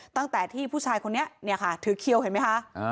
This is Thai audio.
ตั้งแต่ที่ผู้ชายคนนี้เนี่ยค่ะถือเขียวเห็นไหมคะ